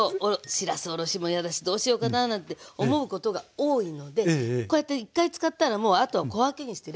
しらすおろしも嫌だしどうしようかなぁなんて思うことが多いのでこうやって１回使ったらもうあとは小分けにして冷凍しとくの。